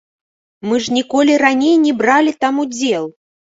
Мы ж ніколі раней не бралі там удзел.